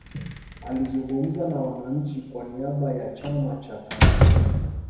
alizungumza na wananchi kwa niaba ya chama cha tanganyika